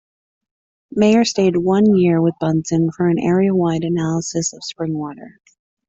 Meyer stayed one year with Bunsen for an area wide analysis of spring water.